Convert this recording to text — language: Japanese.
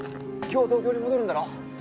今日東京に戻るんだろ？